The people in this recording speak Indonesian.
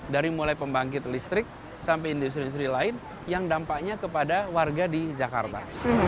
dari mulai pembangkit listrik sampai industri industri lain yang dampaknya kepada warga di jakarta